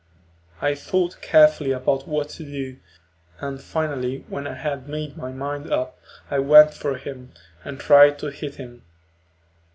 I thought carefully about what to do, and finally when I had made my mind up I went for him and tried to hit him.